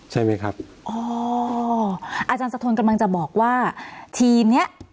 ใช่ไหมครับอ๋ออาจารย์สะทนกำลังจะบอกว่าทีมเนี้ย